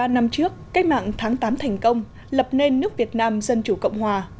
bốn mươi năm trước cách mạng tháng tám thành công lập nên nước việt nam dân chủ cộng hòa